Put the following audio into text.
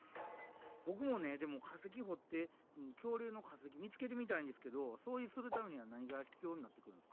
ボクもねでも化石掘って恐竜の化石見つけてみたいんですけどそうするためには何が必要になってくるんですか？